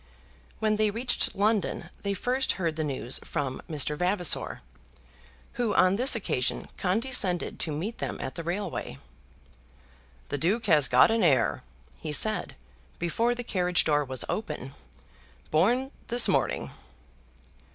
When they reached London they first heard the news from Mr. Vavasor, who on this occasion condescended to meet them at the railway. "The Duke has got an heir," he said, before the carriage door was open; "born this morning!"